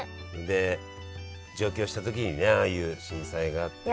で上京した時にねああいう震災があって。